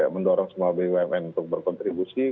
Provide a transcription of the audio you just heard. mendorong semua bumn untuk berkontribusi